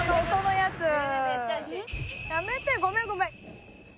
やめてごめんごめん。